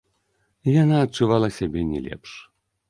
Яна адчувала сябе не лепш.